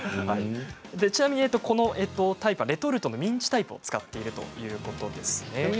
ちなみにこのタイプはミンチタイプを使っているということです。